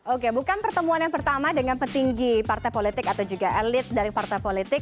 oke bukan pertemuan yang pertama dengan petinggi partai politik atau juga elit dari partai politik